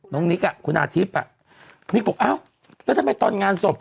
นิกอ่ะคุณอาทิตย์อ่ะนิกบอกอ้าวแล้วทำไมตอนงานศพ